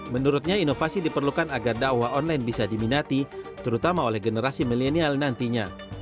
menurutnya inovasi diperlukan agar dakwah online bisa diminati terutama oleh generasi milenial nantinya